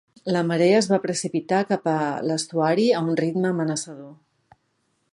La marea es va precipitar cap a l'estuari a un ritme amenaçador.